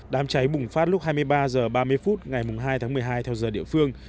đám cháy bùng phát lúc hai mươi ba h ba mươi phút ngày hai tháng một mươi hai theo giờ địa phương